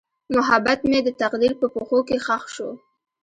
محبت مې د تقدیر په پښو کې ښخ شو.